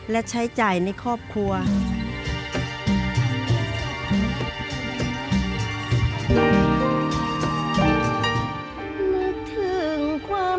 ต้องแอบซะเอิญทนเอา